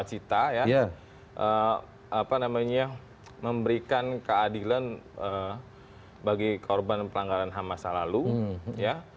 pemerintah joko widodo yang namanya memberikan keadilan bagi korban pelanggaran ham masa lalu ya